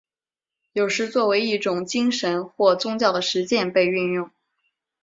有时作为一种精神或宗教的实践被运用。